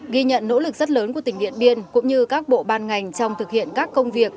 ghi nhận nỗ lực rất lớn của tỉnh điện biên cũng như các bộ ban ngành trong thực hiện các công việc